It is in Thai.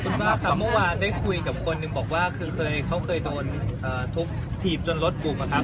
คุณบ้านค่ะเมื่อวานได้คุยกับคนหนึ่งบอกว่าเคยเคยเขาเคยโดนทุกข์ถีบจนรถบุกเหรอครับ